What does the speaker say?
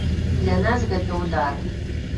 Для нас гэта ўдар.